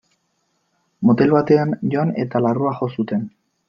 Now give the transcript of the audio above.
Motel batean joan eta larrua jo zuten.